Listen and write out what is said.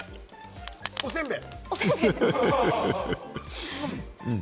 おせんべい！